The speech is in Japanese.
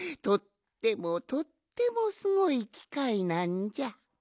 とってもとってもすごいきかいなんじゃ！